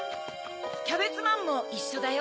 キャベツマンもいっしょだよ。